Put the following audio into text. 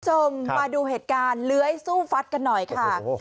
คุณผู้ชมมาดูเหตุการณ์เลื้อยสู้ฟัดกันหน่อยค่ะ